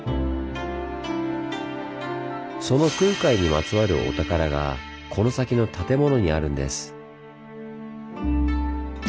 その空海にまつわるお宝がこの先の建物にあるんです。